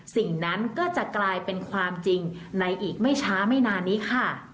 สิ่งนั้นก็จะกลายเป็นความจริงในอีกไม่ช้าไม่นานนี้ค่ะ